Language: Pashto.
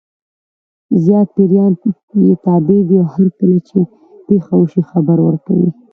زیات پیریان یې تابع دي او هرکله چې پېښه وشي خبر ورکوي.